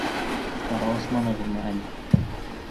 Таралышманығыҙмы әле?